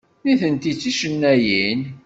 Nitenti d ticennayin.